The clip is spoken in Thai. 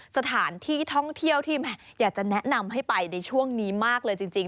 สถานที่ท่องเที่ยวที่อยากจะแนะนำให้ไปในช่วงนี้มากเลยจริง